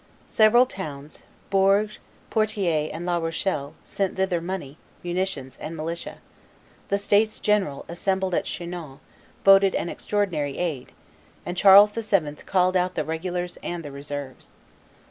Several towns, Bourges, Poitiers, and La Rochelle, sent thither money, munitions, and militia; the states general, assembled at Chinon, voted an extraordinary aid; and Charles VII. called out the regulars and the reserves.